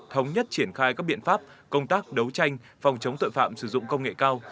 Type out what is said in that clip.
thống nhất triển khai các biện pháp công tác đấu tranh phòng chống tội phạm sử dụng công nghệ cao